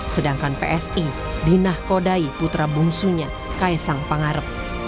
sedangkan psi dinah kodai putra bumsunya kaisang pangarep